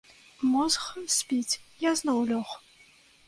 Мозг спіць, я зноў лёг.